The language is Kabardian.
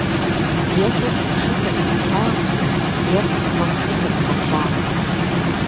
Е сэ сыфши сывгъэлъагъу, е къысхуэфши сывгъэлъагъу.